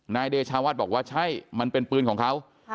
นายเดชาวัดบอกว่าใช่มันเป็นปืนของเขา